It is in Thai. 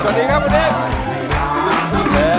สวัสดีครับคุณเอก